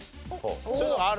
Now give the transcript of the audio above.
そういうのがあるんだ？